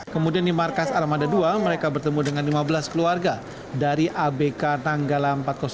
kemudian di markas armada dua mereka bertemu dengan lima belas keluarga dari abk nanggala empat ratus dua